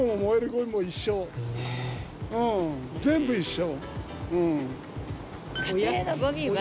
全部一緒。